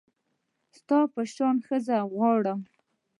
ستا په شان ښځه غواړم